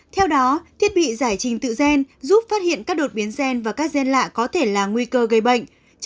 theo đó thiết bị giải trình tự gen giúp phát hiện các đột biến gen và các gen lạ có thể là nguy cơ gây bệnh